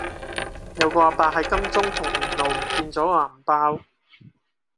有個亞伯喺金鐘紅棉路唔見左個銀包